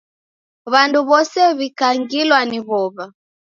W'andu w'ose w'ikangilwa ni w'ow'a.